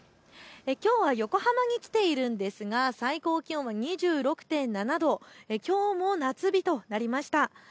きょうは横浜に来ているんですが最高気温２６．７度、きょうも夏日となりました。